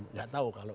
nggak tahu kalau